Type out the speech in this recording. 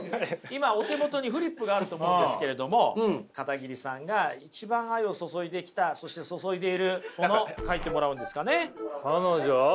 今お手元にフリップがあると思うんですけれども片桐さんが一番愛を注いできたそして注いでいるもの書いてもらうんですかね。